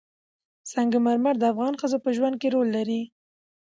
سنگ مرمر د افغان ښځو په ژوند کې رول لري.